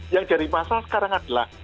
yang jadi masalah sekarang adalah